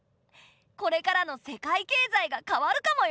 これからの世界経済が変わるかもよ。